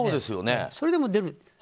それでも出る。